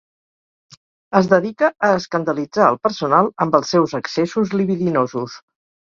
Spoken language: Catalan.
Es dedica a escandalitzar el personal amb els seus accessos libidinosos.